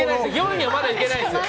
４位にまだいけないんですよ。